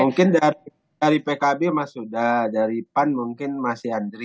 mungkin dari pkb mas huda dari pan mungkin masih andri